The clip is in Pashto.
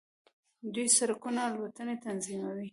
دوی سړکونه او الوتنې تنظیموي.